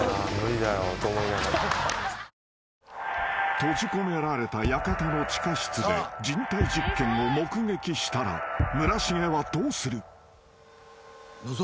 ［閉じ込められた館の地下室で人体実験を目撃したら村重はどうする？］